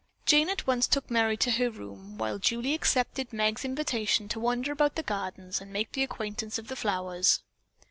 Jane at once took Merry to her room, while Julie accepted Meg's invitation to wander about the gardens and make the acquaintance of the flowers.